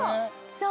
そう。